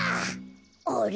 あれ？